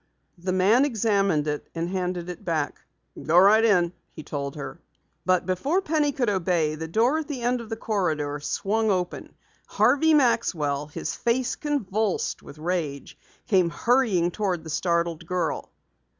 The man examined it and handed it back. "Go right in," he told her. Before Penny could obey, the door at the end of the corridor swung open. Harvey Maxwell, his face convulsed with rage, came hurrying toward the startled girl.